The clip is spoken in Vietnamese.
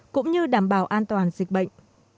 cũng như đảm bảo an toàn dịch bệnh